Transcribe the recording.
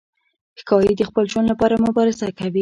ښکاري د خپل ژوند لپاره مبارزه کوي.